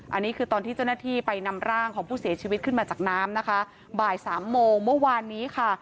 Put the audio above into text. อันนี้คือตอนที่เจ้าหน้าที่ไปนำร่างของผู้เสียชีวิตขึ้นมาจากน้ำนะคะบ่ายสามโมงเมื่อวานนี้ค่ะ